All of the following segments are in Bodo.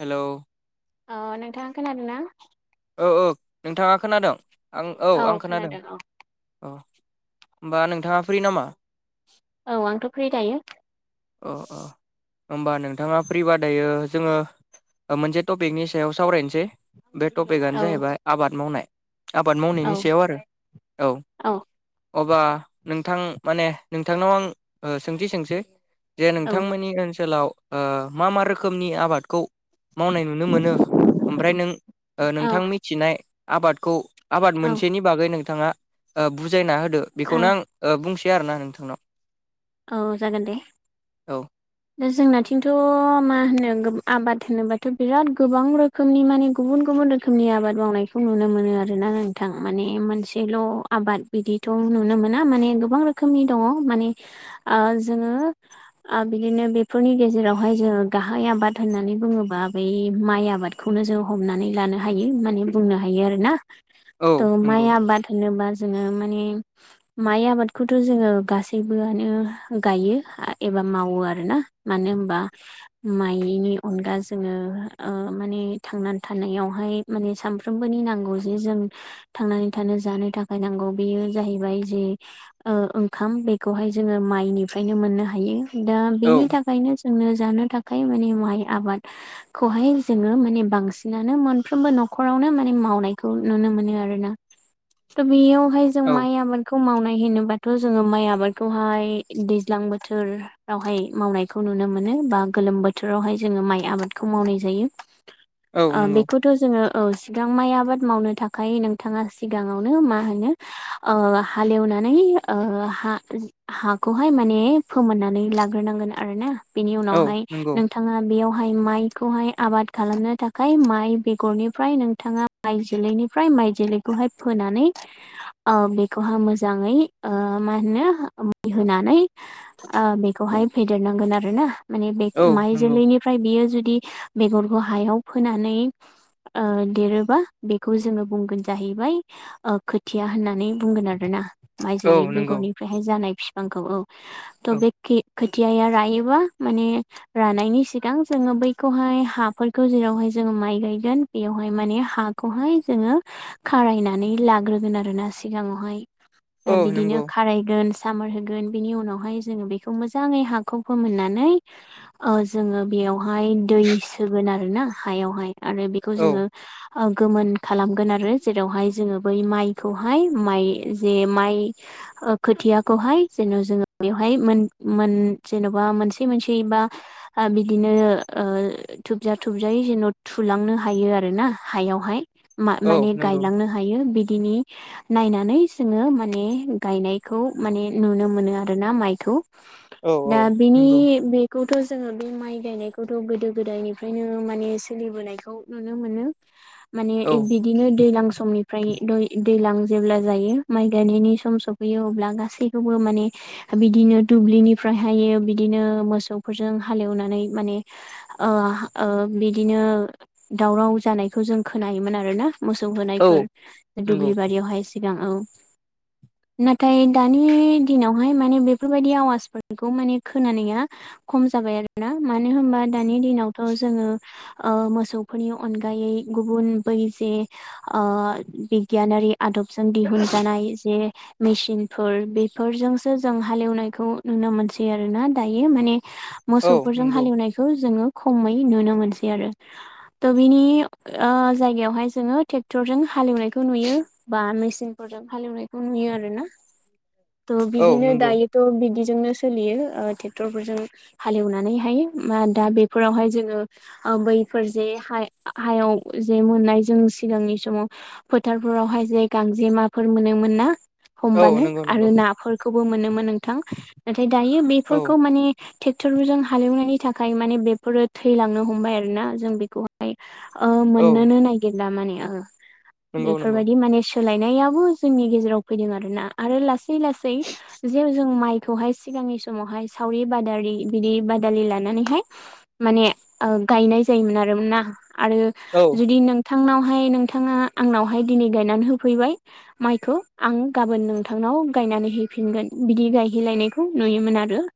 हेलौ अ नोंथां खोनादों ना औ औ नोंथाङा खोनादों आं औ आं खोनादों अ होमबा नोंथाङा फ्रि नामा औ आंथ' फ्रि दायो अ अ होमबा नोंथाङा फ्रिबा दायो जोङो मोनसे टपिकनि सायाव सावरायनोसै बे औ टपिकआनो जाहैबाय आबाद मावनाय आबाद औ मावनायनि सायाव आरो औ अबा नोंथां माने नोंथांनाव आं सोंथि सोंसै जे नोंथांमोननि ओनसोलाव मा मा रोखोमनि आबादखौ मावनाय नुनो मोनो ओमफ्राय नों औ नोंथां मिथिनाय आबादखौ आबाद औ मोनसेनि बागै नोंथाङा बुजायना होदो औ बेखौनो आं बुंसै आरोना नोंथांनाव औ जागोन दे औ दा जोंनाथिंथ' मा होनो आबाद होनोबाथ' बिराद गोबां रो खोमनि माने गुबुन गुबुन रोखोमनि आबाद मावनायखौ नुनो मोनो आरोना नोंथां माने मोनसेल' आबाद बिदिथ' नुनो मोना माने गोबां रोखोमनि दङ माने जोङो बिदिनो बेफोरनि गेजेरावहाय जोङो गाहाय आबाद होननानै बुङोबा बै माइ आबाद खौनो जों हमनानै लानो हायो माने बुंनो हायो आरो ना औ थ माइ नंगौ आबाद होनोबा जोङो माने माइ आबादखौथ' जोङो गासै गासैबोआनो गायो एबा मावो आरोना मानो होनबा माइनि अनगा जोङो माने थांनानै थानायावहाय माने सानफ्रोमबोनि नांगौ जे जों थांनानै थानो जानो थाखाय नांगौ बेयो जाहैबाय जे ओंखाम बे खौहाय जोङो माइनिफ्रायनो मोननो हायो दा औ बेनि थाखायनो जोंङो जानो थाखाय माने माइ आबाद खौहाय जोङो माने बांसिनानो मोनफ्रोमबो न'खरावनो माने मावनायखौ नुनो मोनो आरोना थ' बेयावहाय जों औ माइ आबादखौ मावनाय होनोबाथ' जोङो माइ आबाद खौहाय दैज्लां बोथोरावहाय मावनायखौ नुनो मोनो बा गोलोम बो थोरावहाय जोङो माइ आबादखौ मावनाय जायो [inaudible] आ नंगौ बेखौ थ' जोङो औ सिगां माइ आबाद मावनो थाखाय नोंथाङा सिगाङावनो मा होनो ओ हालेवनानै ओ हा हाखौहाय माने फोमोननानै लाग्रोनांगोन आरो ना बेनि औ उनावहाय नंगौ नों थाङा बेयावहाय माइखौहाय आबाद खालामनो थाखाय माइ बेगरनिफ्राय नोंथाङा माइ जोलैनिफ्राय माइ जोलैखौहाय फोनानै ओ बेखौहा मोजाङै ओ मा होनो ओ मुलि होनानै आ बेखौहाय फेदेरनांगोन आरो ना। माने बे औ माइ नंगौ जोलैनि फ्राय बियो जुदि बेगरखौ हायाव फोनानै ओ देरोबा बेखौ जोङो बुंगोन जाहैबाय ओ खोथिया होननानै बुंगोन आरो ना। माइ औ जोलै नंगौ बेगरनिफ्रायहाय जानाय बिफांखौ औ। थह औ बेखि खोथियाया रायोबा माने रानायनि सिगां जोङो बैखौहाय हाफोरखौ जेरावहाय जोङो माइ गायगोन। बेयावहाय माने हाखौहाय जोङो खारायनानै लाग्रोगोन आरो ना सिगाङावहाय। औ ओ बिदिनो नंगौ खाराय गोन सामार होगोन बिनि उनावहाय जोङो बेखौ मोजाङै हाखौ फोमोननानै ओ जोङो बेयावहाय दै सोगोन आरो ना हायावहाय। आरो बेखौ औ जोङो ओ गोमोन खालामगोन आरो जेरावहाय जोङो बै माइखौहाय माइ जे माइ ओख खोथियाखौहाय जेन' जोङो बेवहाय मोन मोन जेन'बा मोनसे मोनसे बा आ बिदिनो ओ थुबजा थुबजायै जेन' थुलांनो हायो आरो ना हायावहाय। मा औ माने नंगौ गायलांनो हायो बिदिनि नायनानै जोङो माने गायनाय खौ माने नुनो मोनो आरोना माइखौ। औ औ दा बिनि नंगौ बेखौथ' जोङो बे माइ गायनायखौथ' गोदो गोदायनिफ्रायनो माने सोलिबोनायखौ नुनो मोनो। माने औ एख बिख इदिनो दैज्लां समनिफ्राय दै दैलां जेब्ला जायो माइ गायनायनि सम सौ फैयो अब्ला गासैखौबो माने बिदिनो दुब्लिनिफ्रायहायो बिदिनो मोसौफोरजों हालेवनानै माने ओ ओ बिदिनो दावराव जानायखौ जों खोनायोमोन आरो ना। मोसौ औ होनायफोर नंगौ दुब्लि बारियावहाय सिगां औ। नाथाय दानि दिनावहाय माने बेफोरबायदि आवाजफोरखौ माने खोनानाया खम जाबाय आरो ना। मानो होनबा दानि दिनावथ' जोङो ओ मोसौफोरनि अनगायै गुबुन बै जे ओ बिगियानारि आदबजों दिहुनजानाय जे मिसिनफोर बेफोरजोंसो जों हालेवनायखौ नुनो मोनसै आरो ना दायो माने औ मोसौफोरजों नंगौ हालेवनायखौ जोङो खमै नुनो मोनसै आरो। थ' बिनि ओ जायगायावहाय जोङो टेक्टरजों हालेवनायखौ नुयो। बा मिसिनफोरजों हालेवनायखौ नुयो आरो ना। थ' औ बिदिनो नंगौ दायो थ' बिदिजोंनो सोलियो टेक्टरफोरजों। हालेवनानैहाय दा बेफोरावहाय जोङो ओ बैफोर जे हाय हायाव जे मोननाय जों सिगांनि समाव फोथारफोरावहाय जे गांजेमाफोर मोनोमोन ना औ हमबानो नंगौ नंगौ आरो नाफोर खौबो मोनोमोन नोंथां। नाथाय दायो औ बेफोरखौ माने टेक्टरफोरजों हालेवनायनि थाखाय माने बेफोरो थैलांनो हमबाय आरो ना जों बेखौ हाय ओ औ मोननोनो नागिरला माने ओ नंगौ नंगौ बेफोरबायदि माने सोलायनायाबो जोंनि गेजेराव फैदों आरो ना। आरो लासै लासै जेराव जों माइखौहाय सिगांनि समावहाय सावरि बादारि बिदि बादालि लानानैहाय माने ओ गायनाय जायोमोन आरो ना। आरो औ जुदि नोंथांनावहाय नोंथाङा आंनावहाय दिनै गायनानै होफैबाय माइखौ आं गाबोन नोंथांनाव गायनानै हैफिनगोन बिदि गायहैलायनायखौ नुयोमोन आरो।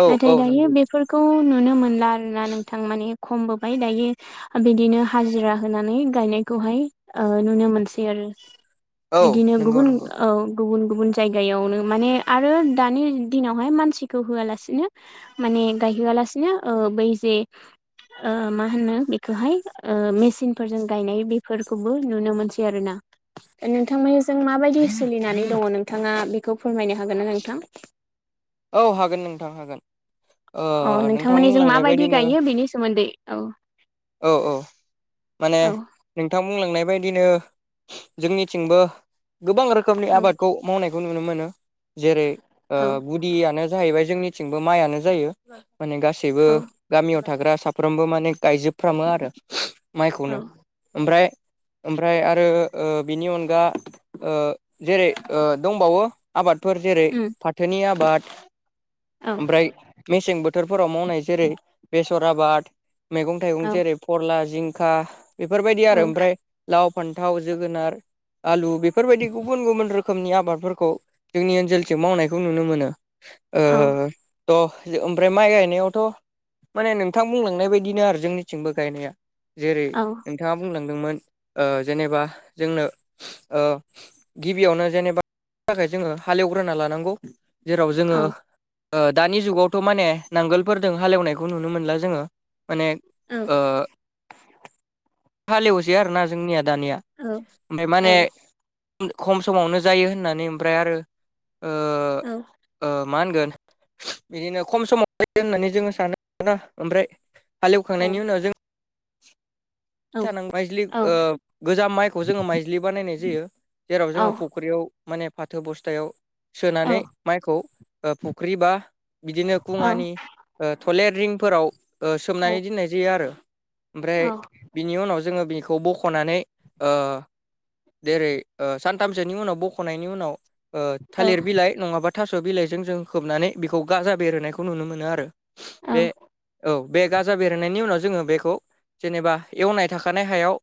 औ औ नाथाय दायो नंगौ बेफोरखौ नुनो मोनला आरो ना नोंथां माने खमबोबाय दायो। बिदिनो हाजिरा होनानै गायनायखौहाय नुनो मोनसै आरो। औ बिदिनो नंगौ गुबुन नंगौ औ गुबुन गुबुन जायगायावनो माने आरो दानि दिनावहाय मानसिखौ होआलासिनो माने गायहोयालासिनो ओ बै जे मा होनो बेखौहाय मेसिनफोरजों गायनाय बेफोरखौबो नुनो मोनसै आरो ना। नोंथांमोनजों माबायदि सोलिनानै दङ नोंथाङा बेखौ फोरमायनो हागोन ना नोंथां? औ हागोन नोंथां हागोन। ओ अ नोंथां नोंथांमोननि जों बुंलांनाय माबायदि बायदिनो गायो बेनि सोमोन्दै औ औ औ माने औ नोंथां बुंलांनाय बायदिनो जोंनिथिंबो गोबां रोखोमनि औ आबादखौ मावनायखौ नुनो मोनो जेरै औ यि आनो जाहैबाय जोंनिथिंबो माइआनो जायो माने गासैबो औ गामियाव थाग्रा साफ्रोमबो माने गायजोबफ्रामो आरो औ माइखौनो ओमफ्राय ओमफ्राय आरो बिनि अनगा जेरै दंबावो आबादफोर जेरै उम फाथोनि आबाद औ ओमफ्राय मेसें बोथोर बोथोरफोराव मावनाय जेरै बेसर आबाद मैगं थाइगं औ जेरै फोरला जिंखा बेफोरबायदि आरो औ ओमफ्राय लाव फान्थाव जोगोनार आलु बेफोरबायदि गुबुन गुबुन रोखोमनि आबादफोरखौ जोंनि ओनसोलजों मावनायखौ नुनो मोनो। औ ओ द' ओमफ्राय माइ गायनायावथ' माने नोंथां बुंलांनाय बायदिनो आरो जोंनिथिंबो गायनाया। जेरै औ नोंथाङा बुंलांदोंमोन जेनेबा जोंनो गिबियावनो जेनेबा थाखाय जोङो हालेवग्रोना लानांगौ जेराव जोङो औ दानि जुगावथ' माने नांगोलफोरजों हालेवनायखौ नुनो मोनला जोङो माने औ हालेवसै आरोना जोंनिया दानिया ओमफ्राय माने खम समावनो जायो होननानै ओमफ्राय आरो मा होनगोन बिदिनो खम समाव फैगोन होननानै जोङो सानो ओमफ्राय औ हालेवखांनायनि उनाव जों [inaudible] औ माइज्लि औ गोजाम माइखौ जोङो माइज्लि बानायनाय जायो जेराव औ जोङो फुख्रियाव माने फाथो बस्थायाव औ सोनानै माइखौ फुख्रि बा बिदिनो औ खुङानि थलेर रिंफोराव औ सोमनानै दोननाय जायो आरो ओमफ्राय [inaudible] बिनि उनाव जोङो बिखौ बख'नानै जेरै सानथामसोनि उनाव बख'नायनि उनाव औ थालिर बिलाइ नङाबा थास' बिलाइजों जों खोबनानै बेखौ गाजा बेरहोनायखौ नुनो मोनो आरो। बे औ बे गाजा बेरनायनि उनाव जोङो बेखौ जेनेबा एवनाय थाखानाय हायाव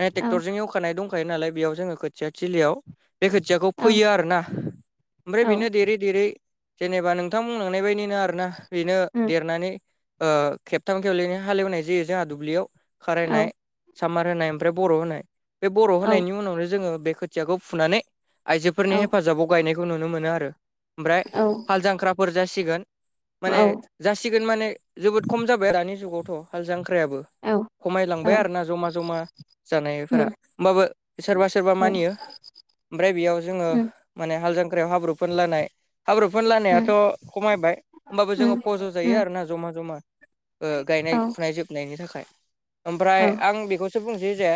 मे औ ट्रेक्टरजों एवखानाय दंखायो नालाय बेयाव जोंङो खोथिया थललियाव बे खोथियाखौ औ फैयो आरोना ओमफ्राय बेनो देरै देरै जेनेबा नोंथां बुंलांनाय बायदि बेनो आरोना बेनो उम देरनानै खेबथाम खेबलैनो हालेवनाय जायो जोंहा दुब्लियाव औ खारायनाय सामार होनाय ओमफ्राय बर' होनाय बे बर' औ होनायनि उनावनो जोंङो बेखौ खोथियाखौ फुनानै औ आइजोफोरनि हेफाजाबाव गायनायखौ नुनो मोनो आरो ओमफ्राय हाल जांख्रा हरजासिगोन औ माने जासिगोन माने जोबोद खम जाबाय दानि जुगावथ' हाल जांख्रायाबो। औ खमायलांबाय आरोना जमा जमा जानायफोरा उम होमबाबो सोरबा सोरबा औ मानियो ओमफ्राय बेयाव जोंङो उम माने हाल जांख्रायाव हाब्रु फोनलानाय हाब्रुफोर लानायाथ' उम खमायबाय होमबाबो उम उम जोङो फज' जायो आरोना जमा जमा औ गायनाय फुनाय जोबनायनि थाखाय औ ओमफ्राय आं बेखौसो बुंसै जे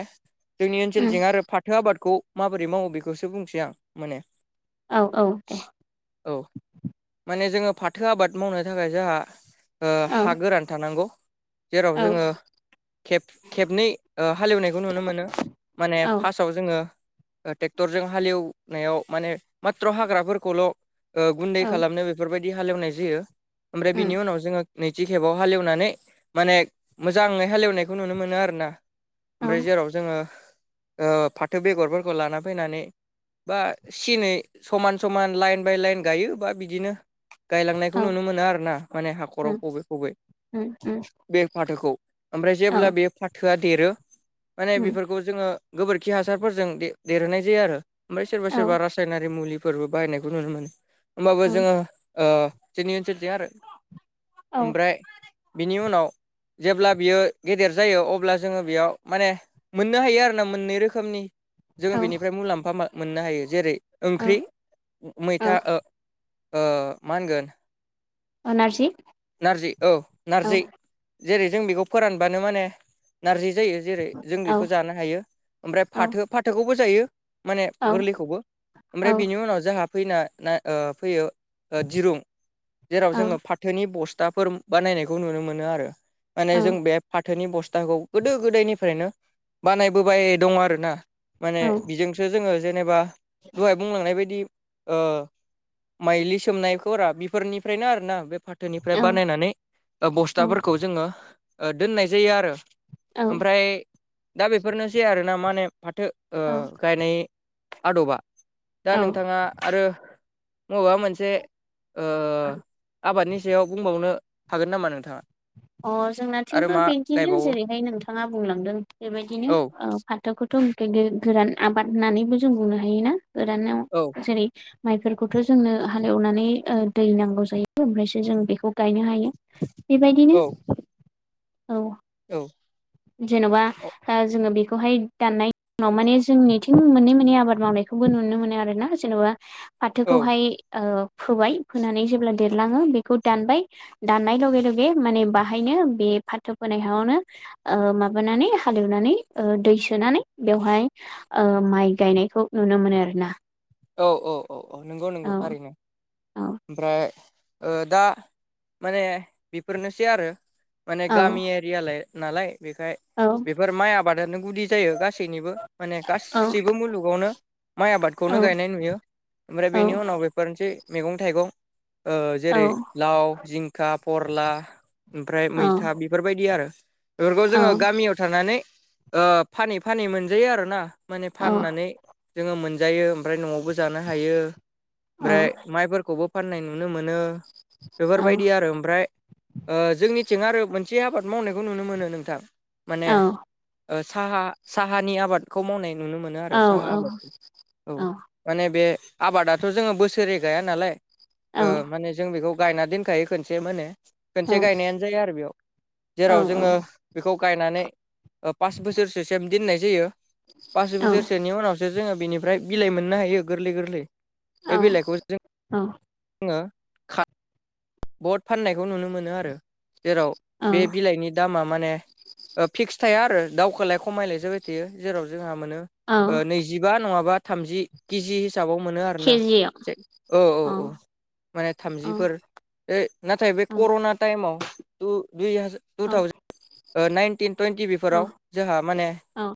जोंनि ओनसोलजों आरो फाथो आबादखौ माबोरै मावो बेखौसो बुंसै आं माने औ औ दे औ माने जोङो फाथो आबाद मावनो थाखाय जोंहा ओ औ हा गोरान थानांगौ औ जेराव जोङो खेब खेबनै ओ हालेवनायखौ नुनो मोनो माने औ उम औ फार्स्ट फाव जोङो ओ ट्रेक्टरजों हालेवनायाव माने मत्र' हाग्राफोरखौल' ओ गुन्दै खालामनो बेफोरबायदि हालेवनाय जायो ओमफ्राय उम बिनि उनाव जोङो नैथि खेबाव हालेवनानै माने मोजाङै हालेवनायखौ नुनो मोनो आरो ना। ओमफ्राय जेराव जोङो ओ फाथो बेगरफोरखौ लाना फैनानै बा सिनै समान समान लाइन बाय लाइन गायो बा बिदिनो औ उम औ गायलांनायखौ नुनो मोनो आरो ना माने हाखराव फबै फबै बे फाथोखौ। ओमफ्राय जेब्ला बे फाथोआ देरो माने बेफोर खौ जोङो गोबोरखि हासारफोरजों दे-देरहोनाय जायो आरो ओमफ्राय सोरबा सोरबा रासायनारि मुलि फोरबो बाहायनायखौ नुनो मोनो होमबाबो जोङो ओ जोंनि ओनसोलजों आरो ओमफ्राय बिनि उनाव जेब्ला बियो गेदेर जायो अब्ला जोङो बेयाव माने मोननो हायो आरो ना मोननै रोखोमनि। जोङो औ बेनिफ्राय मुलाम्फा मा मोननो हायो जेरै ओंख्रि औ मैथा ओ ओ मा होनगोन औ नारजि नारजि औ औ नारजि। जेरै जों बेखौ फोरानबानो माने नारजि जायो जेरै जों औ बेखौ जानो हायो। ओमफ्राय औ फाथो फाथोखौबो जायो माने औ गोरलैखौबो औ ओमफ्राय बिनि उनाव जोंहा फैना ना ओ फैयो ओ दिरुं जेराव जोङो फा थोनि बस्थाफोर बानायनायखौ नुनो मोनो आरो माने जों बे फाथोनि बस्थाखौ गोदो गोदायनिफ्रायनो बानायबोबाय दं आरोना। माने बिजोंसो जोङो जेनेबा दहाय बुंलांनाय बायदि ओ माइलि सोमनायखौरा बेफोरनिफ्रायनो आरो ना बे फाथ थोनिफ्राय बानायनानै ओ बस्थाफोरखौ जोङो ऐ दोननाय जायो आरो ओमफ्राय दा बेफोरनोसै आरोना माने फाथो औ ओ गायनाय आदबा दा औ औ नोंथाङा आरो मबेबा मोनसे ओ आबादनि सायाव बुंबावनो हागोन नामा नोंथां अ जोंनाथिमबो बिदिनो गायबावो जेरैहाय नोंथाङा बुंलांदों बेबायदिनो औ। फाथोखौथ' खैगोन गोरान आबाद होननानैबो जों बुंनो हायोना गोरानाव औ जेरै माइफोरखौथ' जोंनो हालेवनानै दै नांगौ जायो ओमफ्रायसो जों बेखौ गायनो हायो। बेबायदिनो [inaudible] औ औ जेन'बा ओ जोङो बेखौहाय दाननाय उनाव माने जोंनिथिं मोननै मोननै आबाद मावनायखौबो नुनो मोनो आरो ना जेन'बा। फाथोखौहाय फोबाय फोनानै जेब्ला देरलाङो बेखौ दानबाय। दाननाय लगे लगे माने बाहायनो बे फाथो फोनाय हायावनो ओ माबानानै हालेवनानै ओ दै सोनानै बेवहाय ओ माइ गायनायखौ नुनो मोनो आरो ना। औ औ औ औ नंगौ नंगौ थारैनो। औ ओमफ्राय ओ दा माने बेफोरनोसै आरो। माने औ गामि एरि नालाय नालाय बेखाय औ बेफोर माइ आबादानो गुदि जायो गासैनिबो माने गासैबो मुलुगावनो माइ औ आबादखौनो गायनाय नुयो ओमफ्राय औ बेनि उनाव बेफोरनोसै मैगं थाइगं ओ औ जेरै लाव जिंखा परला ओमफ्राय औ मैथा बेफोरबायदि आरो बेफोरखौ औ जोङो गामियाव थानानै‌ ओ फानै फानै मोनजायो आरो ना। माने फाननानै जोङो मोनजायो ओमफ्राय न'आवबो जानो हायो औ ओमफ्राय माइफोरखौबो फाननाय नुनो मोनो औ बेफोरबायदि आरो ओमफ्राय जोंनिथिं आरो मोनसे आबाद मावनायखौ नुनो मोनो नोंथां माने साहा साहानि आबादखौ मावनाय नुनो मोनो आरो औ साहा आबादखौ औ माने बे आबादाथ' जोङो बोसोरै गाया नालाय औ माने जों बेखौ गायना दोनखायो खनसे मे खनसे औ गायनायानो जाया आरो बेयाव औ जेराव जोङो बेखौ गायनानै पास बोसोरसोसिम दोननाय जायो पास औ बोसोरसोनि उनाव दा जोङो बिनिफ्राय बिलाइ मोननो हायो गोरलै गोरलै बे औ बिलाइखौ औ जोङो बद फाननायखौ नुनो मोनो आरो जेराव औ बे बिलाइनि दामा माने फिक्स थाया आरो दाउखौलाय खमायलाय जाबाय थायो जेराव जोंहा मोनो औ नैजिबा नङाबा थामजि केजि हाब हिसाबाव मोनो आरोना केजियाव जे औ औ औ माने औ थामजिफोर नाथाय बे औ कर'ना टाइमाव दुजार टु औ थावजेन नाइनटिन टुइन्टि औ बेफोराव जोंहा माने औ